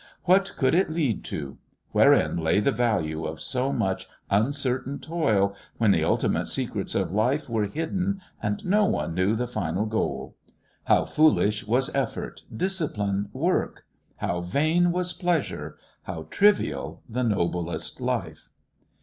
What could it lead to? Wherein lay the value of so much uncertain toil, when the ultimate secrets of life were hidden and no one knew the final goal? How foolish was effort, discipline, work! How vain was pleasure! How trivial the noblest life!...